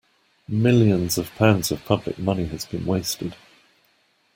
Millions of pounds of public money has been wasted.